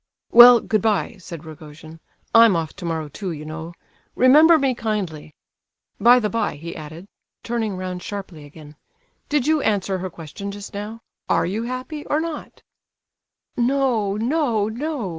"Well, good bye," said Rogojin. "I'm off tomorrow too, you know. Remember me kindly! By the by," he added, turning round sharply again, "did you answer her question just now? Are you happy, or not?" "No, no, no!"